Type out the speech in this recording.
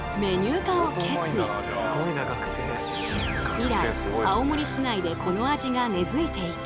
以来青森市内でこの味が根づいていき